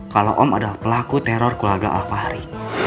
kalau om adalah pelaku teror keluarga al fahri